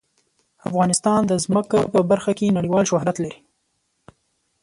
افغانستان د ځمکه په برخه کې نړیوال شهرت لري.